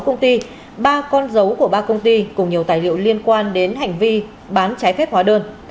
một mươi sáu công ty ba con dấu của ba công ty cùng nhiều tài liệu liên quan đến hành vi bán trái phép hóa đơn